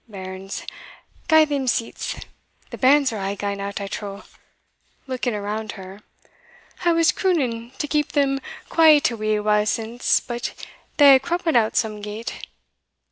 Bairns, gie them seats the bairns are a' gane out, I trow," looking around her; "I was crooning to keep them quiet a wee while since; but they hae cruppen out some gate.